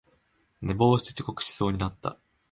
寝坊して遅刻しそうになった